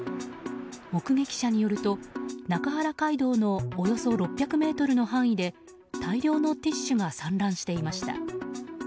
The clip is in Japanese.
目撃者によると、中原街道のおよそ６００ｍの範囲で大量のティッシュが散乱していました。